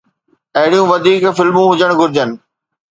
اهڙيون وڌيڪ فلمون هجڻ گهرجن